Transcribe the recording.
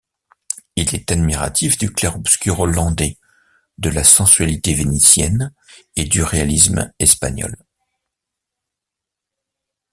Il est admiratif du clair-obscur hollandais, de la sensualité vénitienne et du réalisme espagnol.